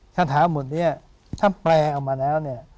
คาถาบทนี้ถ้าแปลออกมาแล้วเนี่ย